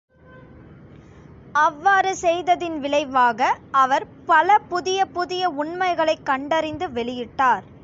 அவ்வாறு செய்ததின் விளைவாக, அவர் பல புதிய புதிய உண்மைகளைக் கண்டறிந்து வெளியிட்டார்.